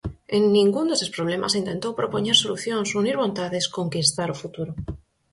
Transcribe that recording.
En ningún deses problemas intentou propoñer solucións, unir vontades, conquistar o futuro.